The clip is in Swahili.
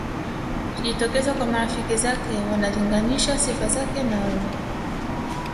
Ukijitokeza kwa marafiki zake wanalinganisha sifa zake na wewe